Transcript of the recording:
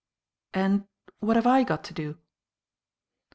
"And what have I got to do?"